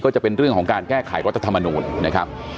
ก็จะเป็นเรื่องของการแก้ไขรัฐธรรมนูลนะครับ